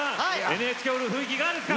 ＮＨＫホールの雰囲気いかがですか？